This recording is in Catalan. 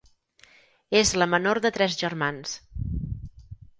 És la menor de tres germans.